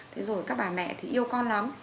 thế rồi các bà mẹ thì yêu con lắm